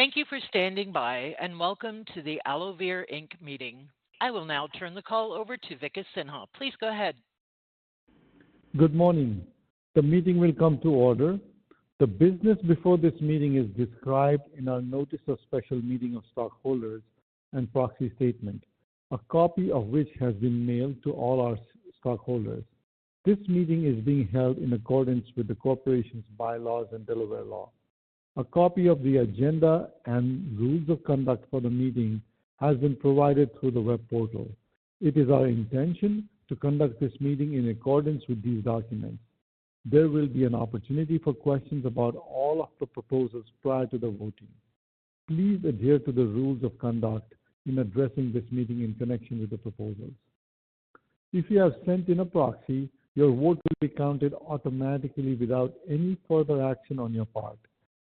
Thank you for standing by, and welcome to the AlloVir, Inc. meeting. I will now turn the call over to Vikas Sinha. Please go ahead. Good morning. The meeting will come to order. The business before this meeting is described in our Notice of Special Meeting of Stockholders and Proxy Statement, a copy of which has been mailed to all our stockholders. This meeting is being held in accordance with the corporation's bylaws and Delaware law. A copy of the agenda and rules of conduct for the meeting has been provided through the web portal. It is our intention to conduct this meeting in accordance with these documents. There will be an opportunity for questions about all of the proposals prior to the voting. Please adhere to the rules of conduct in addressing this meeting in connection with the proposals. If you have sent in a proxy, your vote will be counted automatically without any further action on your part.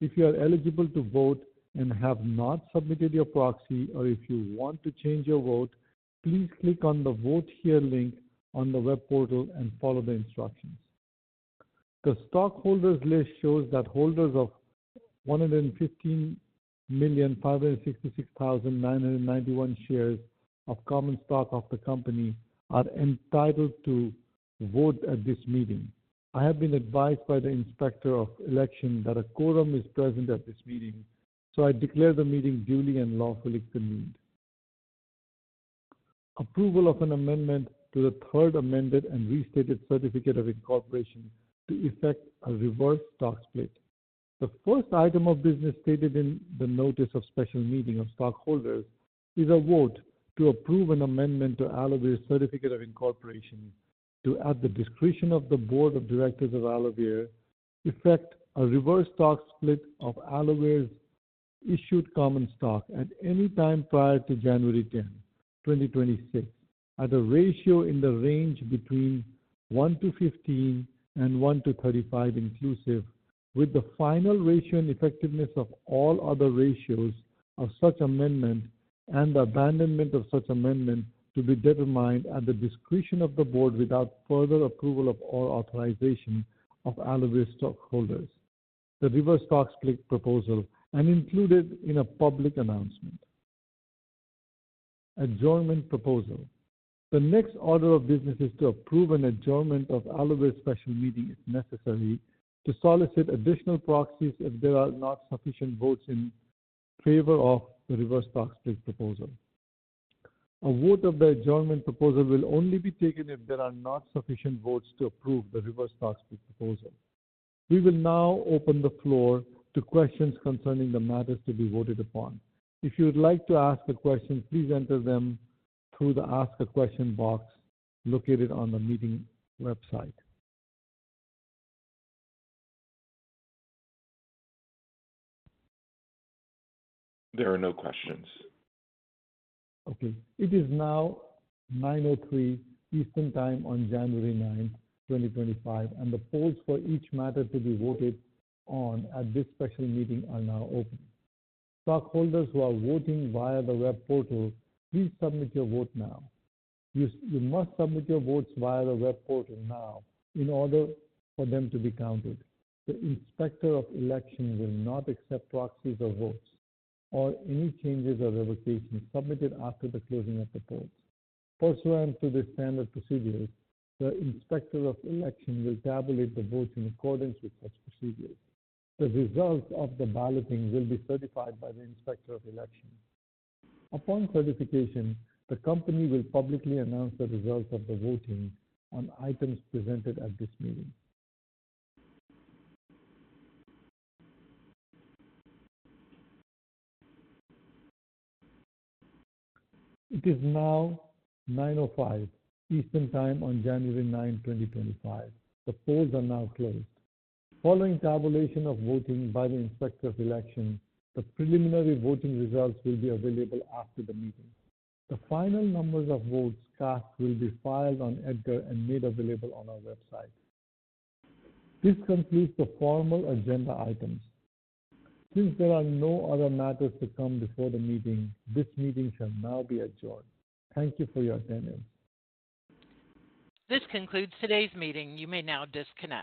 If you are eligible to vote and have not submitted your proxy, or if you want to change your vote, please click on the Vote Here link on the web portal and follow the instructions. The stockholders' list shows that holders of 115,566,991 shares of common stock of the company are entitled to vote at this meeting. I have been advised by the Inspector of Election that a quorum is present at this meeting, so I declare the meeting duly and lawfully convened. Approval of an amendment to the Third Amended and Restated Certificate of Incorporation to effect a reverse stock split. The first item of business stated in the Notice of Special Meeting of Stockholders is a vote to approve an amendment to AlloVir's Certificate of Incorporation to, at the discretion of the Board of Directors of AlloVir, effect a reverse stock split of AlloVir's issued common stock at any time prior to January 10, 2026, at a ratio in the range between 1:15 and 1:35 inclusive, with the final ratio and effectiveness of all other ratios of such amendment and the abandonment of such amendment to be determined at the discretion of the Board without further approval of all authorization of AlloVir's stockholders. The reverse stock split proposal is included in a public announcement. Adjournment proposal. The next order of business is to approve an adjournment of AlloVir's special meeting if necessary to solicit additional proxies if there are not sufficient votes in favor of the reverse stock split proposal. A vote of the adjournment proposal will only be taken if there are not sufficient votes to approve the reverse stock split proposal. We will now open the floor to questions concerning the matters to be voted upon. If you would like to ask a question, please enter them through the Ask a Question box located on the meeting website. There are no questions. Okay. It is now 9:03 A.M. Eastern Time on January 9, 2025, and the polls for each matter to be voted on at this special meeting are now open. Stockholders who are voting via the web portal, please submit your vote now. You must submit your votes via the web portal now in order for them to be counted. The Inspector of Election will not accept proxies or votes or any changes or revocations submitted after the closing of the polls. Pursuant to the standard procedures, the Inspector of Election will tabulate the votes in accordance with such procedures. The results of the balloting will be certified by the Inspector of Election. Upon certification, the company will publicly announce the results of the voting on items presented at this meeting. It is now 9:05 A.M. Eastern Time on January 9, 2025. The polls are now closed. Following tabulation of voting by the Inspector of Election, the preliminary voting results will be available after the meeting. The final numbers of votes cast will be filed on EDGAR and made available on our website. This concludes the formal agenda items. Since there are no other matters to come before the meeting, this meeting shall now be adjourned. Thank you for your attendance. This concludes today's meeting. You may now disconnect.